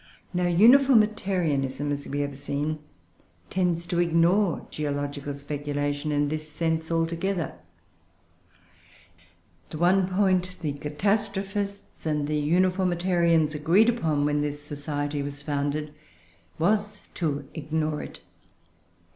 Now Uniformitarianism, as we have seen, tends to ignore geological speculation in this sense altogether. The one point the catastrophists and the uniformitarians agreed upon, when this Society was founded, was to ignore it.